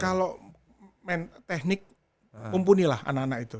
kalau main teknik mumpuni lah anak anak itu